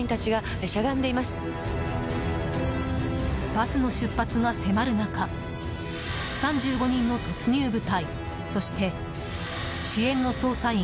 バスの出発が迫る中３５人の突入部隊そして、支援の捜査員